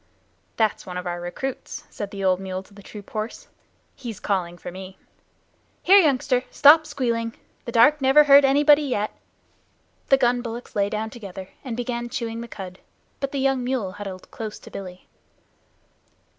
"That's one of our recruits," said the old mule to the troop horse. "He's calling for me. Here, youngster, stop squealing. The dark never hurt anybody yet." The gun bullocks lay down together and began chewing the cud, but the young mule huddled close to Billy.